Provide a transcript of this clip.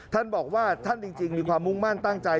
ท่านบอกว่าท่านจริงมีความมุ่งมั่นตั้งใจ